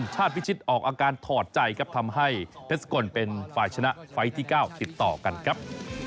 พิชิตออกอาการถอดใจครับทำให้เพชรสกลเป็นฝ่ายชนะไฟล์ที่๙ติดต่อกันครับ